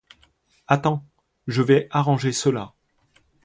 Attends, je vais arranger cela.